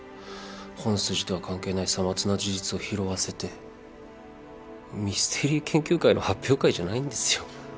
本筋とは関係ないさまつな事実を拾わせてミステリー研究会の発表会じゃないんですよ。